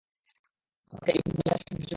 তোমাকে ইউফেমিয়ার সাথে পরিচয় করিয়ে দেই!